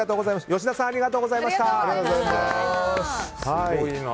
吉田さんありがとうございました。